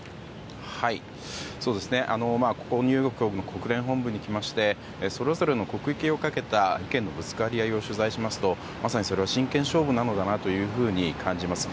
ここニューヨークの国連本部に来ましてそれぞれの国益をかけた利権のぶつかり合いを取材するとまさにそれは真剣勝負なのだと感じます。